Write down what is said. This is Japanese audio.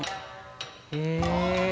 へえ。